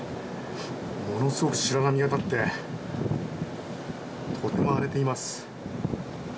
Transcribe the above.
ものすごく白波が立って、とても荒れています。